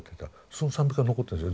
その賛美歌は残ってるんですよ